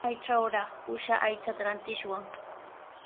¿Maytrawraq uusha aychata rantishwan?